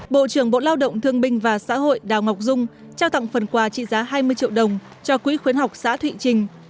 bộ trưởng bộ lao động thương binh và xã hội đào ngọc dung trao tặng phần quà trị giá hai mươi triệu đồng cho quỹ khuyến học xã thụy trình